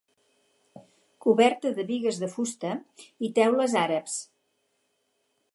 Coberta de bigues de fusta i teules àrabs.